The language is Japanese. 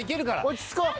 落ち着こう。